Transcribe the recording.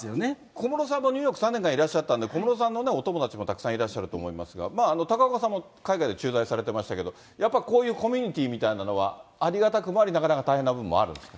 小室さんもニューヨーク、３年間いらっしゃったんで、小室さんのお友達もたくさんいらっしゃると思いますが、高岡さんも海外で駐在されてましたけれども、やっぱこういうコミュニティみたいなものはありがたくもあり、なかなか大変な部分もあるんですか？